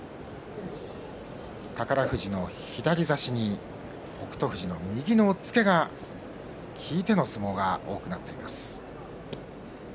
宝富士の左差しに北勝富士の右の押っつけが効いての相撲が多くなっています。